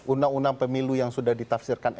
undang undang pemilu yang sudah ditafsirkan